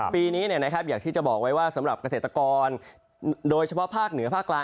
ปีนี้อยากที่จะบอกไว้ว่าสำหรับเกษตรกรโดยเฉพาะภาคเหนือภาคกลาง